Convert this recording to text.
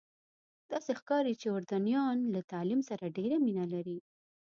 داسې ښکاري چې اردنیان له تعلیم سره ډېره مینه لري.